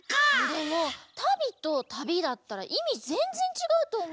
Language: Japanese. でも「たび」と「旅」だったらいみぜんぜんちがうとおもうけどなあ。